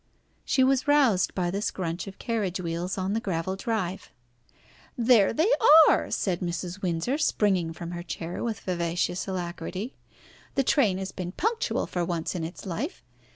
She was roused by the scrunch of carriage wheels on the gravel drive. "There they are!" said Mrs. Windsor, springing from her chair with vivacious alacrity. "The train has been punctual for once in its life.